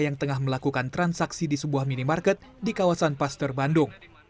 yang tengah melakukan transaksi di sebuah minimarket di kawasan paster bandung